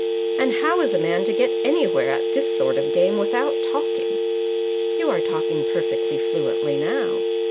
"And how is a man to get anywhere at this sort of game without talking?" "You are talking perfectly fluently now."